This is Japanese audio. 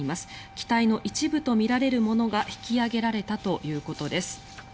機体の一部とみられるものが引き揚げられたということです。